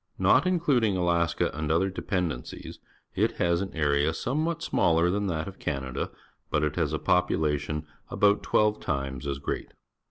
Not including Alaska and other de pendencies, it has an area somewhat smaller than that of Canada, but it has a population about twelve times as great.